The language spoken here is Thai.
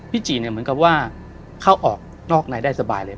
จีเนี่ยเหมือนกับว่าเข้าออกนอกในได้สบายเลย